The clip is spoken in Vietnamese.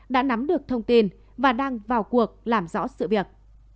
đã nắm được thông tin và đang vào cuộc làm rõ sự việc